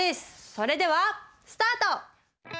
それではスタート！